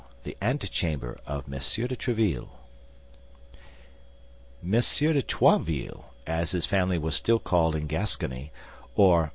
THE ANTECHAMBER OF M. DE TRÉVILLE M. de Troisville, as his family was still called in Gascony, or M.